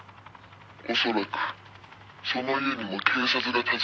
「おそらくその家にも警察が訪ねてくる」